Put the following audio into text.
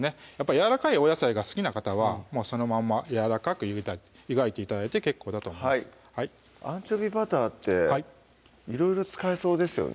やわらかいお野菜が好きな方はそのままやわらかく湯がいて頂いて結構だと思いますアンチョビバターっていろいろ使えそうですよね